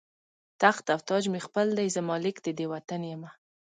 تخت او تاج مې خپل دی، زه مالک د دې وطن یمه